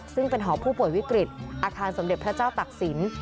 ซึ่งเป็นหอผู้ป่วยวิกฤตอาคารสมเด็จพระเจ้าตักศิลป์